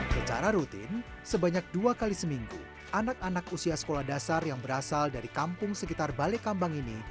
secara rutin sebanyak dua kali seminggu anak anak usia sekolah dasar yang berasal dari kampung sekitar balai kambang ini